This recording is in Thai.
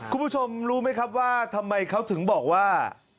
คุณผู้ชมรู้ไหมครับว่าทำไมเขาถึงบอกว่า